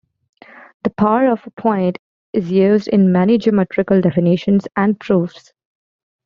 The power of a point is used in many geometrical definitions and proofs.